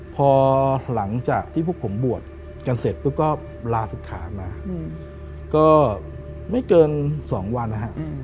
พอหลังจากที่พวกผมบวชกันเสร็จปุ๊บก็ลาศิกษามาก็ไม่เกิน๒วันนะฮะ